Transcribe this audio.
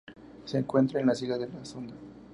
Se encuentra en las Islas de la Sonda.